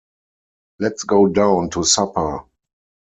Let’s go down to supper.